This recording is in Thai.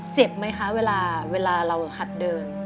เจ็บไหมคะเวลาเราหัดเดิน